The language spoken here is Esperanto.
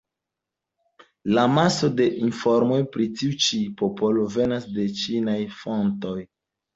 La maso de informoj pri tiu ĉi popolo venas de ĉinaj fontoj.